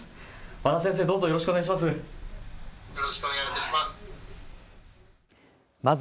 和田先生、どうぞよろしくお願いいたします。